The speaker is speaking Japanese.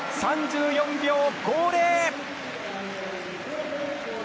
３４秒５０。